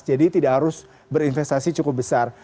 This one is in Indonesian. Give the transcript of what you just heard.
jadi tidak harus berinvestasi cukup besar